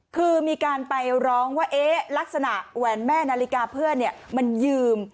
คือมีการไปร้องว่าลักษณะแหวนแม่นาฬิกาเพื่อนมันยืม